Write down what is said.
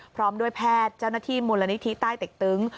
พร้อมด้วยแพทย์เจ้าหน้าที่มูลนิธิใต้เต็กตึง